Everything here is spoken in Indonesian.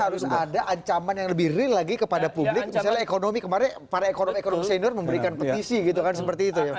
harus ada ancaman yang lebih real lagi kepada publik misalnya ekonomi kemarin para ekonomi ekonomi senior memberikan petisi gitu kan seperti itu ya